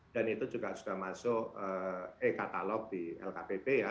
dan itu juga sudah masuk e katalog di lkpp ya